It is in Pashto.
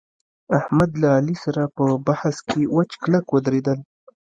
احمد له علي سره په بحث کې وچ کلک ودرېدل